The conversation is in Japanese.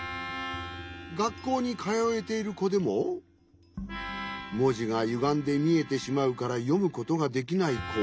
がっこうにかよえているこでももじがゆがんでみえてしまうからよむことができないこ。